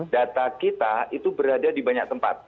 data kita itu berada di banyak tempat